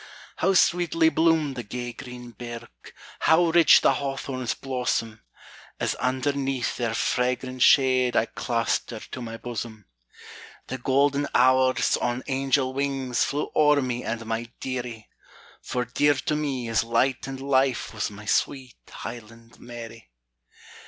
How sweetly bloomed the gay green birk! How rich the hawthorn's blossom! As underneath their fragrant shade I clasped her to my bosom! The golden hours, on angel wings, Flew o'er me and my dearie; For dear to me as light and life Was my sweet Highland Mary.